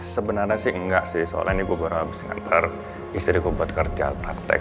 sebenernya sih enggak sih soalnya ini gue baru habis ngantar istri gue buat kerja praktek